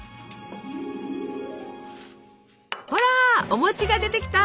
ほらお餅が出てきた！